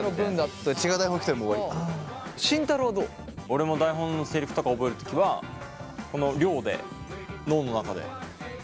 俺も台本のセリフとか覚える時はこの量で脳の中で。